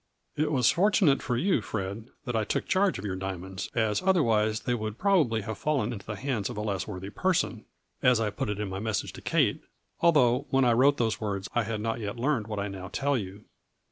It was fortunate for' you, Fred, that I took charge of your diamonds, as otherwise they would probably have fallen ' into the hands of a less worthy person,' as I put it in my message to Kate, although when I wrote those words I had not yet learned what I now tell you.